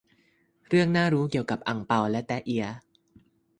เรื่องน่ารู้เกี่ยวกับ อั่งเปา และแต๊ะเอีย